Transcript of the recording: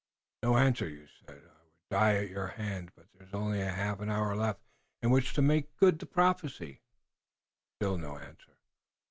No answer. "You said I would die at your hand, but there is only a half hour left in which to make good the prophecy." Still no answer.